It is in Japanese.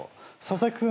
佐々木君